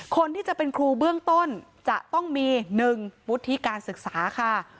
คนที่จะเป็นครูเบื้องต้นจะต้องมี๑วุฒิการศึกษาค่ะ